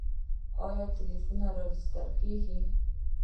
آیا ټلیفونونه راجستر کیږي؟